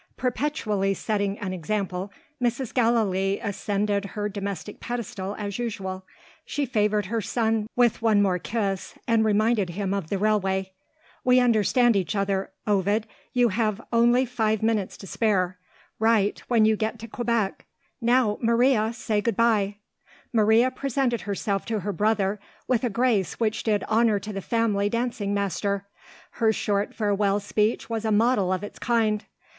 Perpetually setting an example, Mrs. Gallilee ascended her domestic pedestal as usual. She favoured her son with one more kiss, and reminded him of the railway. "We understand each other, Ovid you have only five minutes to spare. Write, when you get to Quebec. Now, Maria! say good bye." Maria presented herself to her brother with a grace which did honour to the family dancing master. Her short farewell speech was a model of its kind.